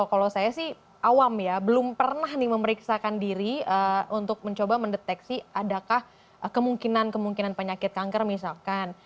kalau saya sih awam ya belum pernah memeriksakan diri untuk mencoba mendeteksi adakah kemungkinan kemungkinan penyakit kanker misalkan